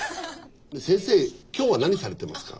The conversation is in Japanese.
先生今日は何されてますか？